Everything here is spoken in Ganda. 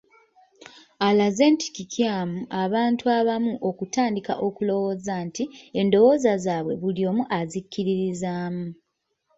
Alaze nti kikyamu abantu abamu okutandika okulowooza nti endowooza zaabwe buli omu azikkiririzaamu.